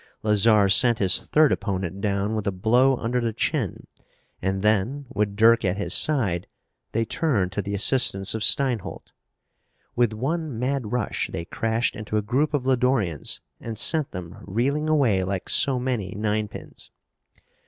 Lazarre sent his third opponent down with a blow under the chin and then, with Dirk at his side, they turned to the assistance of Steinholt. With one mad rush they crashed into a group of Lodorians and sent them reeling away like so many nine pins.